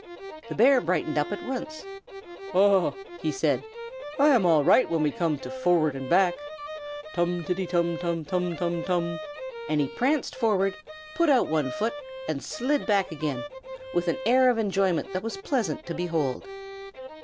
The bear brightened up at once. "Ah!" he said, "I am all right when we come to forward and back. Tum tiddy tum tum, tum tum tum!" and he pranced forward, put out one foot, and slid back again, with an air of enjoyment that was pleasant to behold.